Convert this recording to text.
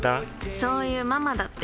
そういうママだって。